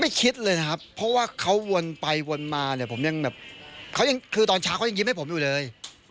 คิดเลยนะครับเพราะว่าเขาวนไปวนมาเนี่ยผมยังแบบเขายังคือตอนเช้าเขายังยิ้มให้ผมอยู่เลย